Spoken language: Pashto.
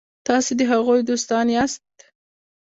تاسي د هغوی دوستان یاست.